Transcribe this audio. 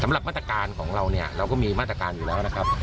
สำหรับมาตรการของเราเนี่ยเราก็มีมาตรการอยู่แล้วนะครับ